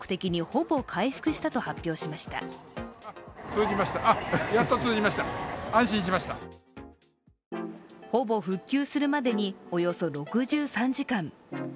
ほぼ復旧するまでにおよそ６３時間。